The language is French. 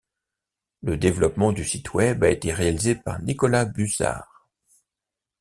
Le développement du site web a été réalisé par Nicolas Bussard.